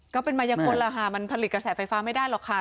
ก็เป็นมายกลล่ะค่ะมันผลิตกระแสไฟฟ้าไม่ได้หรอกค่ะ